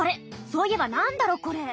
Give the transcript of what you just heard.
そういえば何だろこれ。